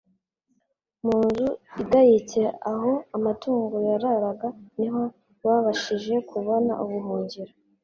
Mu nzu igayitse aho amatungo yararaga, niho babashije kubona ubuhungiro